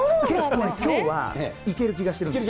きょうはいける気がしてるんですね。